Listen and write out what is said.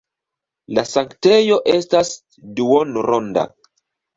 La sanktejo estas duonronda.